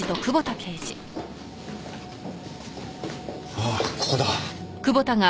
ああここだ。